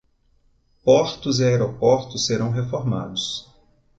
Portos e aeroportos serão reformados